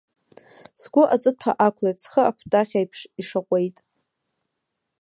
Сгәы аҵыҭәа ақәлеит, схы акәтаӷь аиԥш ишаҟәеит.